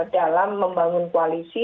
dalam membangun koalisi